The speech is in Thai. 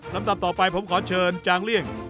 ลำตับต่อไปผมขอเชิญจางเลี่ยง